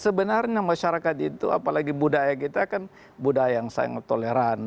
sebenarnya masyarakat itu apalagi budaya kita kan budaya yang sangat toleran